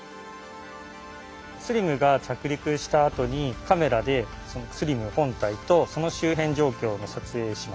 ＳＬＩＭが着陸したあとにカメラでＳＬＩＭ本体とその周辺状況を撮影します。